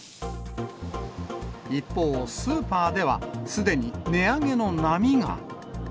一方、スーパーでは、すでに値上げの波が。